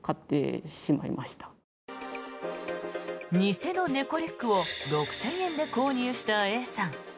偽の猫リュックを６０００円で購入したＡさん。